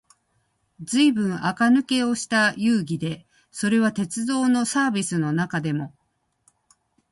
ずいぶん垢抜けのした遊戯で、それは鉄道のサーヴィスの中でも、